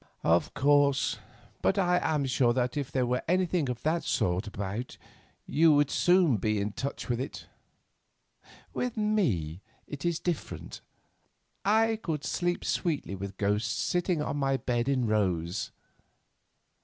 "Of course; but I am sure that if there were anything of that sort about you would soon be in touch with it. With me it is different; I could sleep sweetly with ghosts sitting on my bed in rows."